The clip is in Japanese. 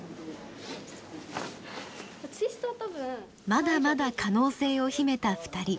まだまだ可能性を秘めた２人。